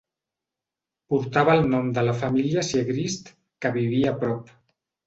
Portava el nom de la família Siegrist, que vivia a prop.